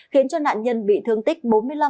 khiến nạn nhân bị thương tích bốn mươi năm